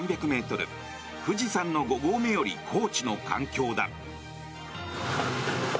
富士山の５合目より高地の環境だ。